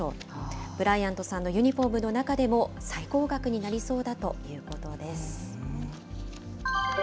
ブライアントさんのユニホームの中でも最高額になりそうだということです。